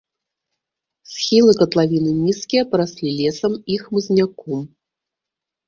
Схілы катлавіны нізкія, параслі лесам і хмызняком.